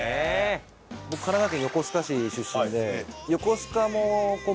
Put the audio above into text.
僕神奈川県横須賀市出身で。